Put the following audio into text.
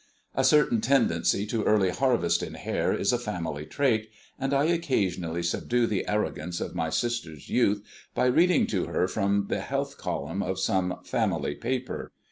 A certain tendency to early harvest in hair is a family trait, and I occasionally subdue the arrogance of my sister's youth by reading to her from the health column of some family paper.